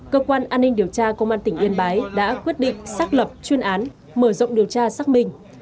cơ quan an ninh điều tra công an tỉnh yên bái đã quyết định xác lập chuyên án mở rộng điều tra xác minh